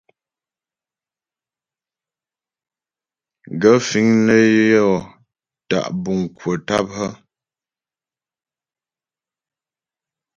Gaə̂ fíŋ nə́ yɔ́ tá' buŋ kwə̀ tâp hə́ ?